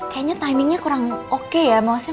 sepertinya waktu ini tidak baik